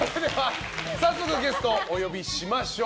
早速ゲストをお呼びしましょう。